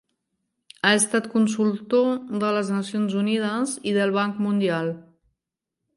Ha estat consultor de les Nacions Unides i del Banc Mundial.